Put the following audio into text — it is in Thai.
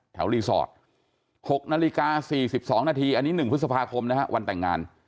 แถวรีสอร์ท๖นาฬิกา๔๒นาทีอันนี้๑พฤษภาคมนะฮะวันแต่งงาน